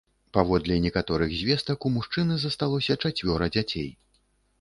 Паводле некаторых звестак, у мужчыны засталося чацвёра дзяцей.